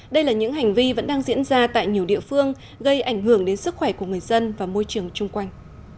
đây là những hành vi vẫn đang diễn ra tại nhiều địa phương gây ảnh hưởng đến sức khỏe của người dân và môi trường chung quanh